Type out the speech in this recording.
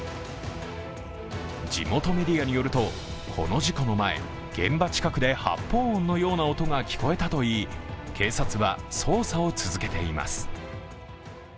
地元メディアによると、この事故の前、現場近くで発砲音のような音が聞こえたといい、警察は捜査を続けています。